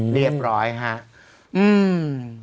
เรียบร้อยฮะอืม